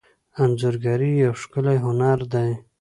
انځورګري یو ښکلی هنر دی.